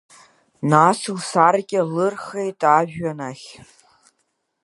Нас лсаркьа лырхеит ажәҩан ахь.